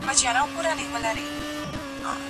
کېدای سي سبزېجات خراب وي!!